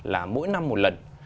là mỗi năm một lần